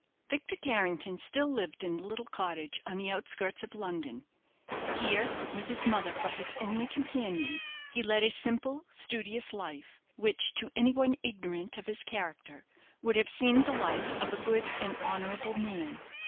Victor Carrington still lived in the little cottage on the outskirts of London. Here, with his mother for his only companion, he led a simple, studious life, which, to any one ignorant of his character, would have seemed the life of a good and honourable man.